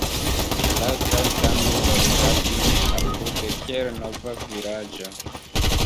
La lastaj tamen loĝadis apude, kiel nova vilaĝo.